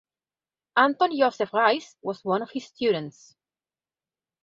Anton Josef Reiss was one of his students.